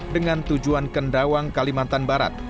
dengan tujuan kendawang kalimantan barat